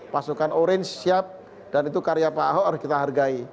pasukan orange siap dan itu karya pak ahok harus kita hargai